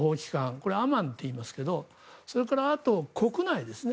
これ、アマンといいますがそれと、あと国内ですね。